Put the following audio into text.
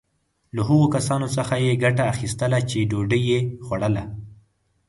له هغو کسانو څخه یې ګټه اخیستله چې ډوډی یې خوړله.